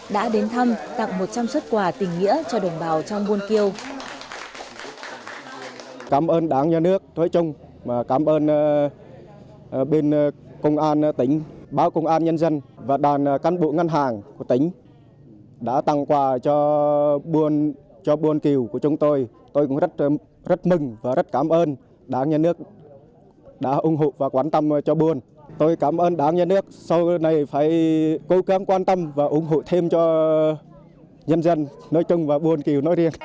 đã đến thăm tặng một trăm linh xuất quà tình nghĩa cho đồng bào trong buôn kiêu